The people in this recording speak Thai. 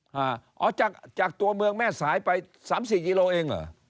หอจากจากตัวเมืองแม่สายไป๓๔กิโลเมตรเองเหรอ